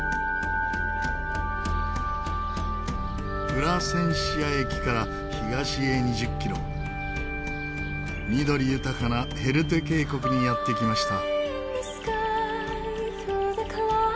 プラセンシア駅から東へ２０キロ緑豊かなヘルテ渓谷にやって来ました。